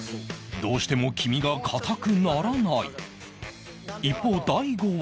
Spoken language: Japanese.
どうしても黄身が硬くならない一方大悟は